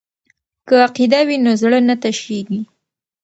که عقیده وي نو زړه نه تشیږي.